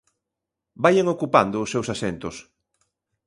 Vaian ocupando os seus asentos.